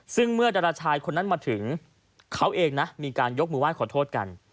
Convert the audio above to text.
ซึ่งเมื่อดาราชายคนนั้นมาถึงเขาเองนะมีการยกมือไห้ขอโทษกัน